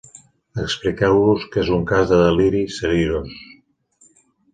Expliqueu-los que és un cas de deliri seriós.